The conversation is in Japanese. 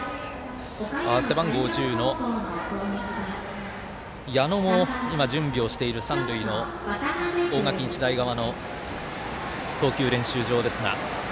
背番号１０の矢野も今、準備をしている三塁の大垣日大側の投球練習場ですが。